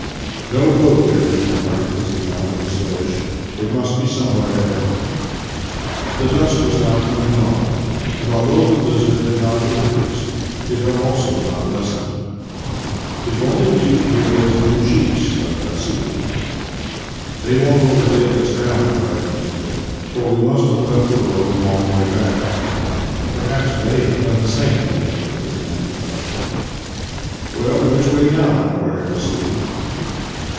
" No road there," he remarked as he mounted the sledge. " It must be somewhere ahead." Master and Man 21 The dusk was now coming on, and although the bhzzard had not increased it also had not lessened. "If only we could hear those imizhiks !" sighed Vassili. " They won't overtake us now," replied Nikita, " for we must have left the road a long way back. Perhaps they have done the same," he added, as an afterthought. " Well, which way now? " inquired Vassili.